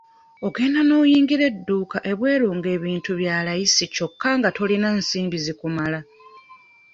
Ogenda n'oyingira edduuka ebweru nga ebintu bya layisi kyokka nga tolina nsimbi zikumala.